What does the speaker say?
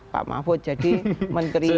pak mahfud jadi menteri